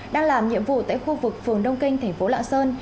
đang làm nhiệm vụ tại khu vực phường đông kinh thành phố lạng sơn